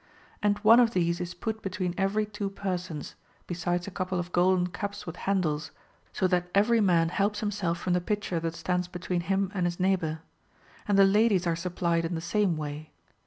And one of these is put between every two persons, besides a couple of golden cups with handles, so that every man helps himself from the pitcher that stands between him and his neighbour. And the ladies are supplied in the same way.